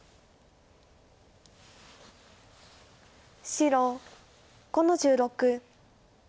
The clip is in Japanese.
白５の十六。